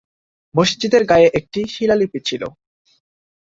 মসজিদের গায়ে একটি শিলালিপি ছিল।